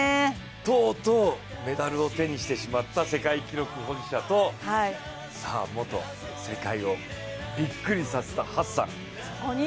とうとうメダルを手にしてしまった世界記録保持者とさあ元世界をびっくりさせたハッサン。